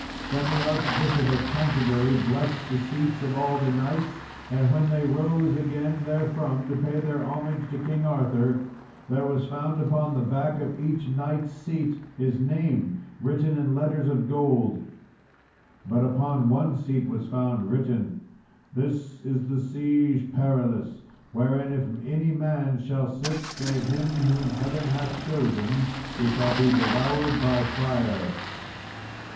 Then the Archbishop of Canterbury blessed the seats of all the knights, and when they rose again therefrom to pay their homage to King Arthur there was found upon the back of each knight's seat his name, written in letters of gold. But upon one seat was found written, "This is the Siege Perilous, wherein if any man shall sit save him whom Heaven hath chosen, he shall be devoured by fire."